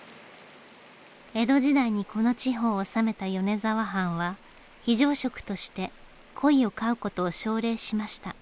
江戸時代にこの地方を治めた米沢藩は非常食としてコイを飼う事を奨励しました。